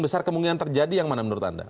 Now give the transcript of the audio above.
besar kemungkinan terjadi yang mana menurut anda